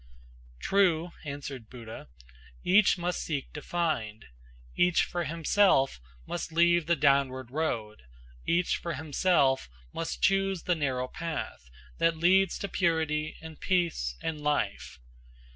'" "True," answered Buddha, "each must seek to find; Each for himself must leave the downward road; Each for himself must choose the narrow path That leads to purity and peace and life.